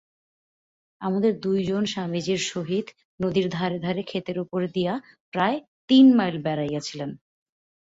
আমাদের দুইজন স্বামীজীর সহিত নদীর ধারে ধারে ক্ষেতের উপর দিয়া প্রায় তিন মাইল বেড়াইয়াছিলেন।